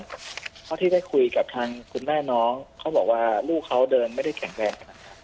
เท่าที่ได้คุยกับทางคุณแม่น้องเขาบอกว่าลูกเขาเดินไม่ได้แข็งแรงขนาดนั้น